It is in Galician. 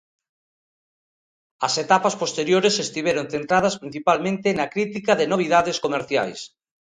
As etapas posteriores estiveron centradas principalmente na crítica de novidades comerciais.